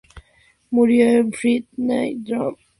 Murió en Freycinet, Drôme.